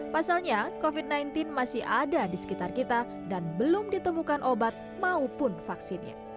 pasalnya covid sembilan belas masih ada di sekitar kita dan belum ditemukan obat maupun vaksinnya